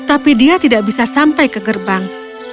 tapi dia tidak bisa sampai ke gerbang